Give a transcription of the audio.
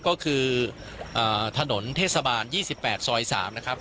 ก็คืออ่าถนนเทศบาลยี่สิบแปดซอยสามนะครับ